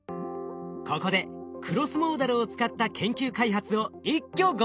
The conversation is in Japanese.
ここでクロスモーダルを使った研究開発を一挙ご紹介。